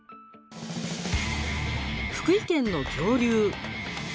福井県の恐竜。